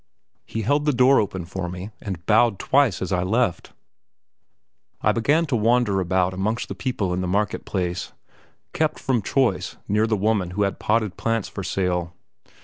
He held the door open for me, and bowed twice as I left. I began to wander about amongst the people in the market place, kept from choice near the woman who had potted plants for sale.